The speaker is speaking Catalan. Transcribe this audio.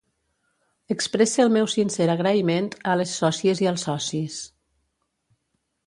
Expresse el meu sincer agraïment a les sòcies i als socis.